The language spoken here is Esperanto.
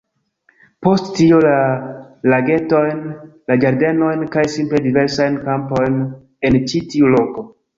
Post tio, la lagetojn, la ĝardenojn, kaj simple diversajn kampojn en ĉi tiu loko.